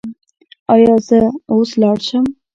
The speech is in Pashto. ایا زه اوس لاړ شم؟